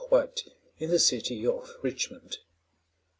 White, in the city of Richmond.